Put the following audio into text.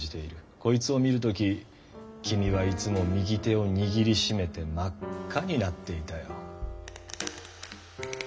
こいつを見る時君はいつも右手を握りしめて真っ赤になっていたよ。